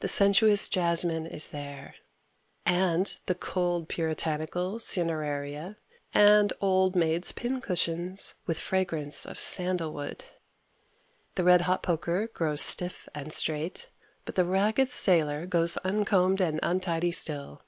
The sensuous jasmine is there, and the cold puritanical ceneraria and old maids' pin cushions, with fragrance of sandalwood. The red hot poker grows stiff and straight, but the ragged sailor goes uncombed and untidy still.